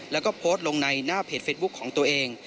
แล้วก็โพสต์ลงในหน้าเพจเฟซบุ๊คของตัวเอง